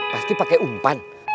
pasti pake umpan